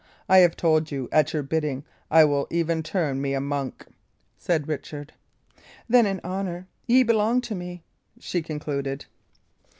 I have told you; at your bidding, I will even turn me a monk," said Richard. "Then, in honour, ye belong to me?" she concluded.